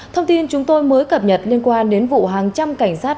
thông tin chúng tôi mới cập nhật liên quan đến vụ hàng trăm cảnh sát